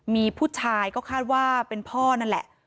มีผู้ชายก็คาดว่าเป็นพ่อนั่นแหละ